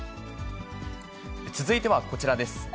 続いてはこちらです。